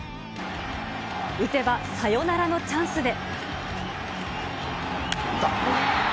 打てばサヨナラのチャンスで。